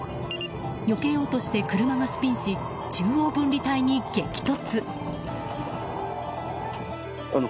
よけようとして車がスピンし中央分離帯に激突。